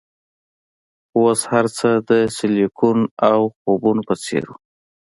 خو اوس هرڅه د سیلیکون او خوبونو په څیر وو